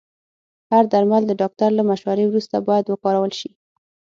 هر درمل د ډاکټر له مشورې وروسته باید وکارول شي.